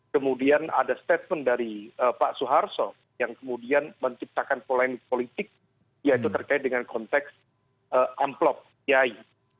kemudian ada statement dari pak soeharto yang kemudian menciptakan polemik politik yaitu terkait dengan konteks amplop kiai